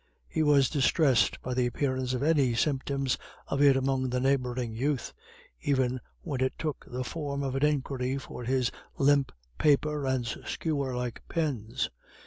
He was distressed by the appearance of any symptoms of it among the neighbouring youth, even when it took the form of an inquiry for his limp paper and skewer like pens.